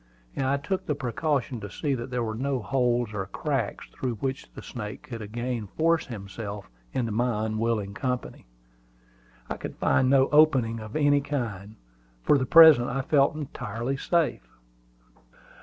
I took the precaution to see that there were no holes or cracks through which the snake could again force himself into my unwilling company. I could find no opening of any kind. For the present I felt entirely safe.